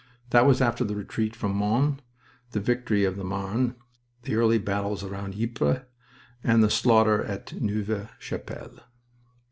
That was after the retreat from Mons, the victory of the Marne, the early battles round Ypres, and the slaughter at Neuve Chapelle.